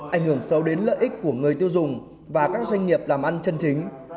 ảnh hưởng sâu đến lợi ích của người tiêu dùng và các doanh nghiệp làm ăn chân chính